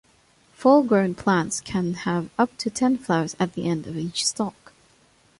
Full-grown plants can have up to ten flowers at the end of each stalk.